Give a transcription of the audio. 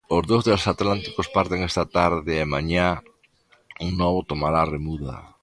Os dous transatlánticos parten esta tarde e mañá un novo tomará a remuda.